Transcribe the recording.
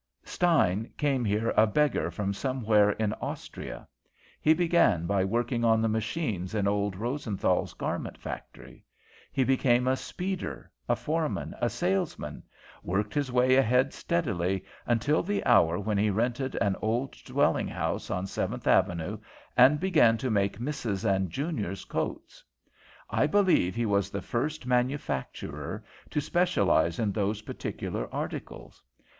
"Stein came here a beggar from somewhere in Austria. He began by working on the machines in old Rosenthal's garment factory. He became a speeder, a foreman, a salesman; worked his way ahead steadily until the hour when he rented an old dwelling house on Seventh Avenue and began to make misses' and juniors' coats. I believe he was the first manufacturer to specialize in those particular articles.